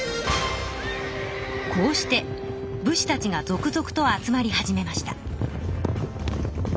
こうして武士たちが続々と集まり始めました。